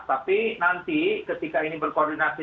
tapi nanti ketika ini berkoordinasi